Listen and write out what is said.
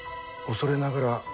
恐れながら殿。